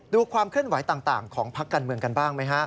ความเคลื่อนไหวต่างของพักการเมืองกันบ้างไหมฮะ